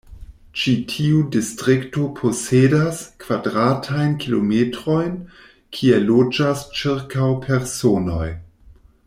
Ĉi tiu distrikto posedas kvadratajn kilometrojn, kie loĝas ĉirkaŭ personoj.